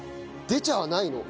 出ちゃわないの？